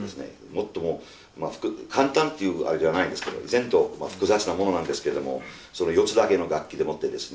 もっとも簡単っていうあれじゃないですから複雑なものなんですけどもその４つだけの楽器でもってですね